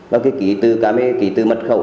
và cái kỹ từ mật khẩu